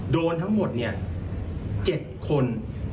โดนทั้งหมด๗คน